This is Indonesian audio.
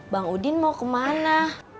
bang udin mau kemana